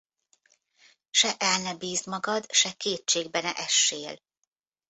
Se el ne bízd magad, se kétségbe ne essél.